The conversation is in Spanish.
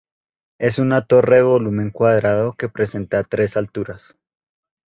Es una torre de volumen cuadrado que presenta tres alturas.